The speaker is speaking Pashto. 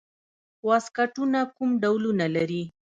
واسکټونه کوم ډولونه لري؟